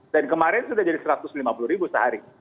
dan kemarin sudah jadi satu ratus lima puluh ribu sehari